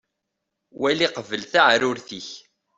Wali qbel taɛrurt-ik.